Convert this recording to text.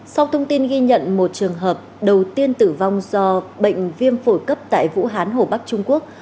sau thông tin ghi nhận một trường hợp đầu tiên tử vong do bệnh viêm phổi cấp tại vũ hán hồ bắc trung quốc